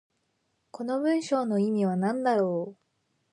この文章の意味は何だろう。